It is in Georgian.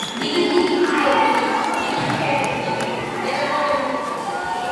ჯეირახის რაიონი მდებარეობს ინგუშეთის მთიან ნაწილში და მოიცავს კავკასიონის ცენტრალურ ნაწილს.